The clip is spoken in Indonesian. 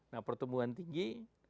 nah pertumbuhan tinggi